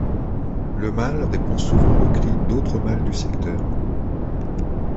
Le mâle répond souvent aux cris d’autres mâles du secteur.